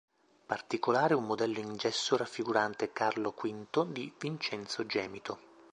Particolare un modello in gesso raffigurante "Carlo V" di Vincenzo Gemito.